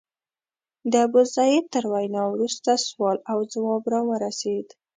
د ابوزید تر وینا وروسته سوال او ځواب راورسېد.